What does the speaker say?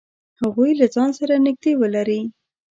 هغوی له ځان سره نږدې ولری.